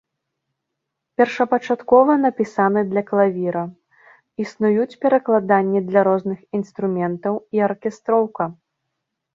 Першапачаткова напісаны для клавіра, існуюць перакладанні для розных інструментаў і аркестроўка.